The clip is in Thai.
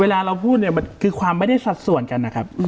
เวลาเราพูดคือความไม่ได้สัดส่วนกันนะครับ